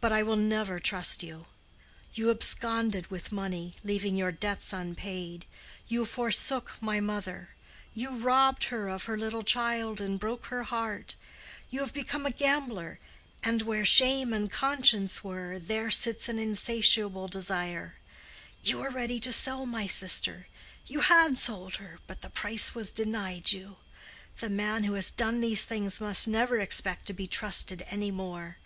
But I will never trust you. You absconded with money, leaving your debts unpaid; you forsook my mother; you robbed her of her little child and broke her heart; you have become a gambler, and where shame and conscience were there sits an insatiable desire; you were ready to sell my sister—you had sold her, but the price was denied you. The man who has done these things must never expect to be trusted any more.